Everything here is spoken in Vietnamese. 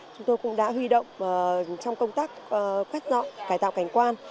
chúng tôi cũng đã huy động trong công tác phát dọn cải tạo cảnh quan